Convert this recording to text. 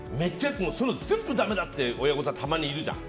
全部だめだって言う親御さんがたまにいるじゃん。